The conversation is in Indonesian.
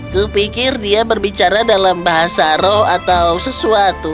kupikir dia berbicara dalam bahasa roh atau sesuatu